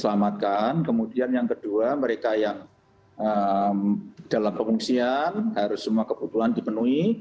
selamatkan kemudian yang kedua mereka yang dalam pengungsian harus semua kebutuhan dipenuhi